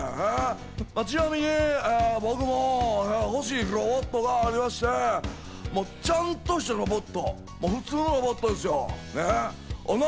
ちなみに僕も欲しいロボットがありまして、もうちゃんとしたロボット、普通のロボットですよ。